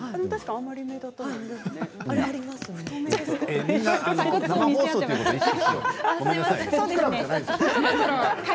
あまり目立たない。